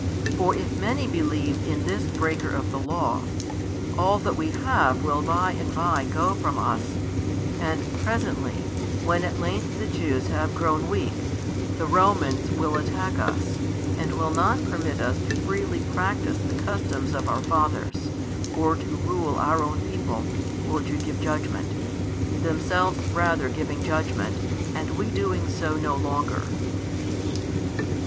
For if many believe in this breaker of the Law, all that we have will bye and bye go from us; and presently, when at length the Jews have grown weak, the Romans will attack us, and will not permit us to freely practise the customs of our fathers, or to rule our own people, or to give judgment; themselves rather giving judgment, and we doing so no longer.